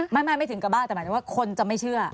ไม่ถึงกระบ้าแต่หมายถึงว่าคนจะไม่เชื่อ